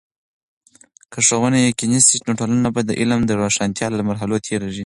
که ښوونه یقيني سي، نو ټولنه به د علم د روښانتیا له مرحلو تیریږي.